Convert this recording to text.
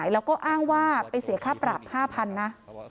แล้วก็อ้างว่าไปเสียค่าปรับ๕๐๐๐นะ